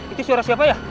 itu suara siapa ya